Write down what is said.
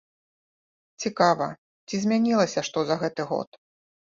Цікава, ці змянілася што за гэты год?